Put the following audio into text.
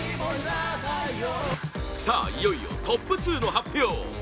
さあ、いよいよトップ２の発表！